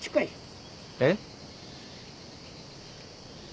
えっ？